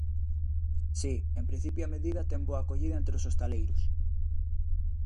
Si, en principio a medida ten boa acollida entre os hostaleiros.